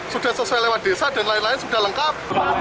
sudah sesuai lewat desa dan lain lain sudah lengkap